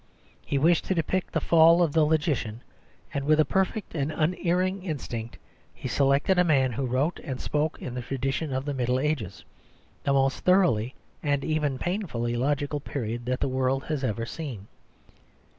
He wished to depict the fall of the logician; and with a perfect and unerring instinct he selected a man who wrote and spoke in the tradition of the Middle Ages, the most thoroughly and even painfully logical period that the world has ever seen.